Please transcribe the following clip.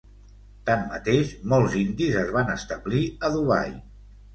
Tanmateix, molts indis es van establir a Dubai.